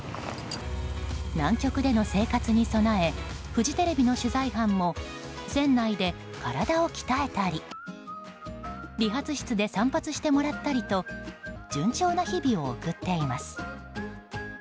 南極での生活に備えフジテレビの取材班も船内で体を鍛えたり理髪室で散髪してもらったりと順調な日々を送っています。